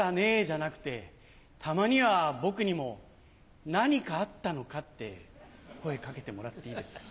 じゃなくてたまには僕にも「何かあったのか？」って声掛けてもらっていいですか？